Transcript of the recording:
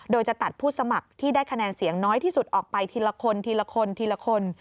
โดยจะตัดผู้สมัครที่ได้คะแนนเสียงน้อยที่สุดออกไปทีละคนทีละคนทีละคน